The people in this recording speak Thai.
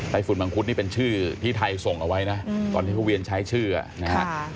ฝุ่นมังคุดนี่เป็นชื่อที่ไทยส่งเอาไว้นะตอนที่เขาเวียนใช้ชื่อนะฮะ